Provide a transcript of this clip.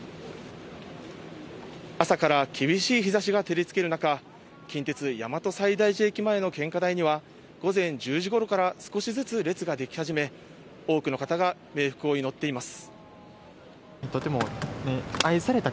朝から厳しい日差しが照りつける中、近鉄・大和西大寺駅前の献花台には午前１０時頃から少しずつ列ができ始め、多くの方が冥福を祈っています。